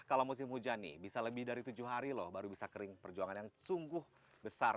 kalau musim hujan nih bisa lebih dari tujuh hari loh baru bisa kering perjuangan yang sungguh besar